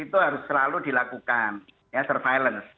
itu harus selalu dilakukan ya surveillance